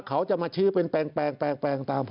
ตามพศ๕๕๑๘แปลงไหม